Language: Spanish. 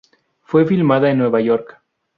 Fue filmada en Nueva York.